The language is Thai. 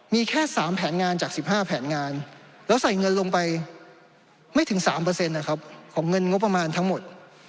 มีแค่๓แผนงานจาก๑๕แผนงานแล้วใส่เงินลงไปไม่ถึง๓ของเงินงบประมาณทั้งหมด